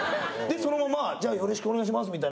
でそのままじゃあよろしくお願いします！